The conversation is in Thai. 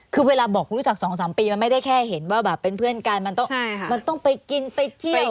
คือเวลาบอกรู้จัก๒๓ปีมันไม่ได้แค่เห็นว่าแบบเป็นเพื่อนกันมันต้องไปกินไปเที่ยว